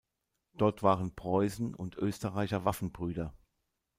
Dort waren Preußen und Österreicher Waffenbrüder.